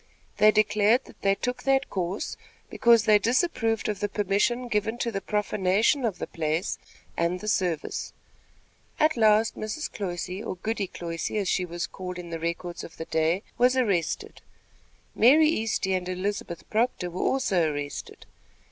They declared that they took that course, because they disapproved of the permission given to the profanation of the place and the service. At last Mrs. Cloyse, or Goody Cloyse, as she was called in the records of the day, was arrested. Mary Easty and Elizabeth Proctor were also arrested.